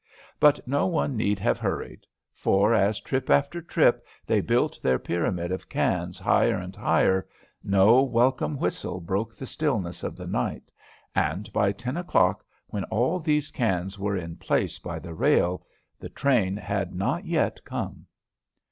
But no one need have hurried; for, as trip after trip they built their pyramid of cans higher and higher, no welcome whistle broke the stillness of the night, and by ten o'clock, when all these cans were in place by the rail, the train had not yet come.